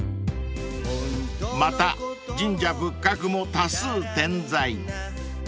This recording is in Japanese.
［また神社仏閣も多数点在］